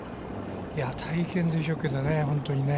大変でしょうけどね、本当にね。